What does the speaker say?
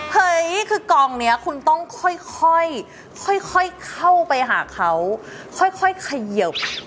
เฮ้ยคือกองนี้คุณต้องค่อยเข้าไปหาเขาค่อยเขยิบ